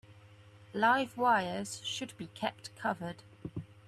Live wires should be kept covered.